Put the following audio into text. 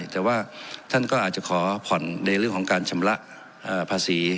แต่ว่าท่านก็อาจจะขอผ่อนในเรื่องของการชำระภาษี